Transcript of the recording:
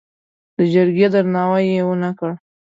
د جرګې درناوی یې ونه کړ.